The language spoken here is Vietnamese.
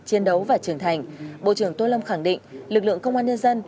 chiến đấu và trưởng thành bộ trưởng tô lâm khẳng định lực lượng công an nhân dân